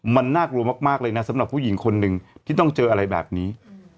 มันน่ากลัวมากเลยนะสำหรับผู้หญิงคนหนึ่งที่ต้องเจออะไรแบบนี้